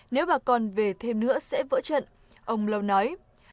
nếu bà con về thêm nữa sẽ vỡ trận ông lâu nói